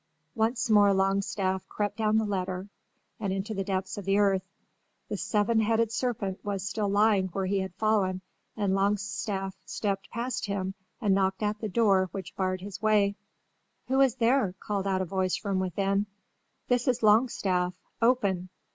Once more Longstaff crept down the ladder into the depths of the earth. The seven headed serpent was still lying where he had fallen and Longstaff stepped past him and knocked at the door which barred his way. "Who is there?" called out a voice from within. "This is Longstaff! Open!"